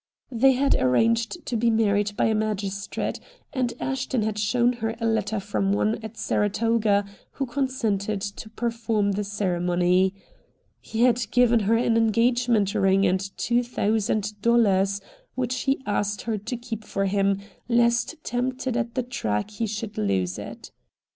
They had arranged to be married by a magistrate, and Ashton had shown her a letter from one at Saratoga who consented to perform the ceremony. He had given her an engagement ring and two thousand dollars, which he asked her to keep for him, lest tempted at the track he should lose it.